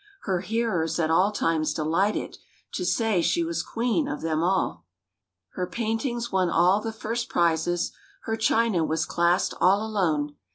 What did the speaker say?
Her hearers at all times delighted To say she was queen of them all. Her paintings won all the "First prizes;" Her china was classed all alone.